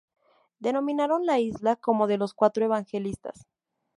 Denominaron la isla como de los "Cuatro Evangelistas".